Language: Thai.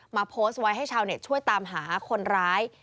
โพสต์ไว้ให้ชาวเน็ตช่วยตามหาคนร้าย